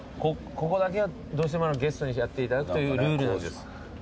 ここだけはどうしてもゲストにやっていただくというルールなんです。